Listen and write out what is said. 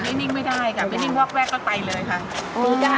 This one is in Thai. นิ่งไม่ได้ค่ะไม่นิ่งวอกแรกก็ไปเลยค่ะ